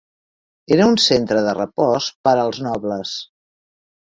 Era un centre de repòs per als nobles.